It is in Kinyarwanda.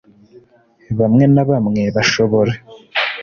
bamwe na bamwe bashobora